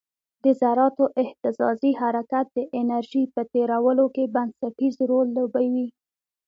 د ذراتو اهتزازي حرکت د انرژي په تیرولو کې بنسټیز رول لوبوي.